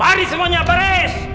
bari semuanya baris